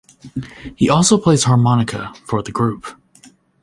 He also plays harmonica for the group.